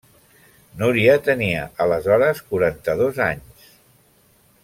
Núria tenia, aleshores, quaranta-dos anys.